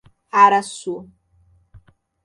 Araçu